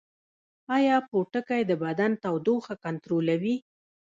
ایا پوټکی د بدن تودوخه کنټرولوي؟